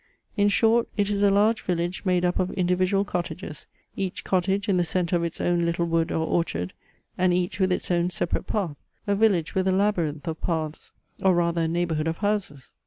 In short it is a large village made up of individual cottages, each cottage in the centre of its own little wood or orchard, and each with its own separate path: a village with a labyrinth of paths, or rather a neighbourhood of houses!